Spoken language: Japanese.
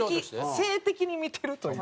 性的に見てるという。